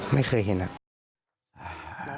แล้วเคยเห็นหน้าเด็กของเขาไหมครับ